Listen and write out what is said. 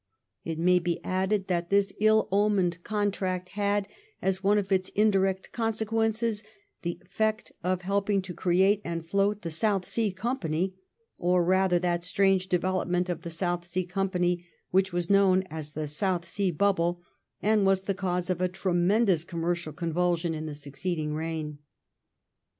It may be added that this ill omened contract had, as one of its indirect con sequences, the effect of helping to create and float that South Sea Company, or rather that strange development of the company which was known as the South Sea Bubble, and was the cause of a tre mendous commercial convulsion in the succeeding reign.